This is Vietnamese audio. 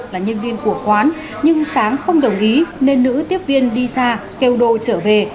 là nhân viên của quán nhưng sáng không đồng ý nên nữ tiếp viên đi ra kêu đô trở về